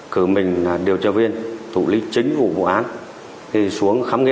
tỉnh đắk lông